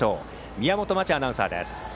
宮本真智アナウンサーです。